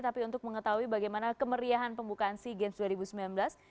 tapi untuk mengetahui bagaimana kemeriahan pembukaan sea games dua ribu sembilan belas